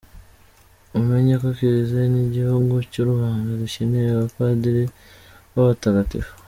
Mumenye ko Kiliziya, n’igihugu cy’u Rwanda dukeneye abapadiri b’abatagatifu ».